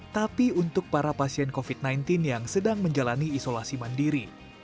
tapi untuk para pasien covid sembilan belas yang sedang menjalani isolasi mandiri